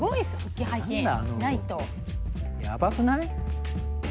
やばくない？